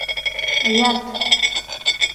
Оят.